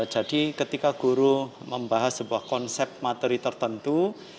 jadi ketika guru membahas sebuah konsep materi tertentu